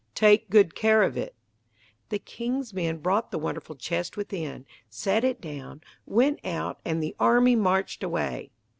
Take good care of it." The king's men brought the wonderful chest within, set it down, went out, and the army marched away.